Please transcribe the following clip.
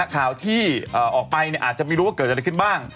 ข่าวที่ออกไปอาจจะไม่รู้ว่าเกิดอะไรขึ้นบ้าง